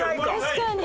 確かに。